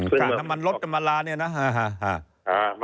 อื้มน้ำมันลดน้ำมันลาเนี่ยนะ